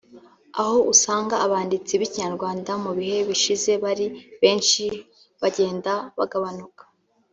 aho usanga abanditsi b’ikinyarwanda mu bihe bishize bari benshi bagenda bagabanuka